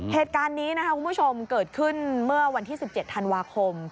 เหตุการณ์นี้นะครับคุณผู้ชมเกิดขึ้นเมื่อวันที่๑๗ธันวาคม